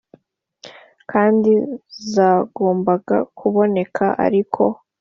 kandi zagombaga kuboneka ari uko